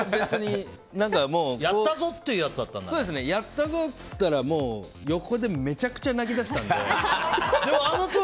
やったぞやったぞって言ったら横でめちゃくちゃ泣き出したので。